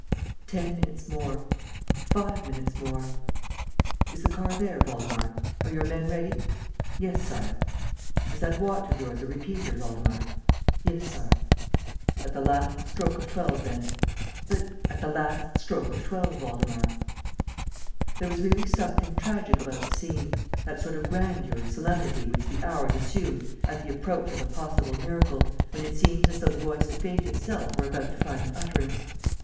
Ten minutes more ... five minutes more ... "Is the car there, Waldemar? ... Are your men ready?" "Yes, Sire." "Is that watch of yours a repeater, Waldemar?" "Yes, Sire." "At the last stroke of twelve, then. ..." "But ..." "At the last stroke of twelve, Waldemar." There was really something tragic about the scene, that sort of grandeur and solemnity which the hours assume at the approach of a possible miracle, when it seems as though the voice of fate itself were about to find utterance.